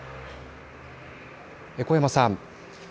古山さん。